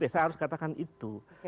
saya harus katakan itu